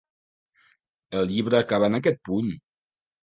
El llibre acaba en aquest punt.